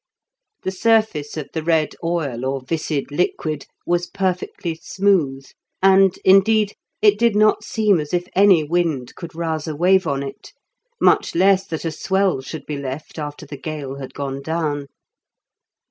The surface of the red oil or viscid liquid was perfectly smooth, and, indeed, it did not seem as if any wind could rouse a wave on it, much less that a swell should be left after the gale had gone down.